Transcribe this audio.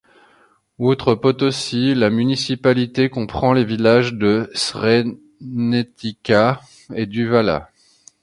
Outre Potoci, la municipalité comprend les villages de Srnetica et d'Uvala.